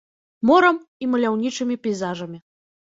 Морам і маляўнічымі пейзажамі.